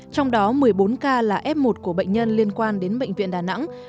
trong đó một mươi bốn ca là f một của bệnh nhân liên quan đến bệnh viện đà nẵng